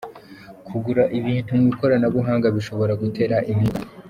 Kugura ibintu mu ikoranabuhanga bishobora gutera impinduka.